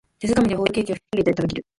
手づかみでホールケーキをひとりで食べきる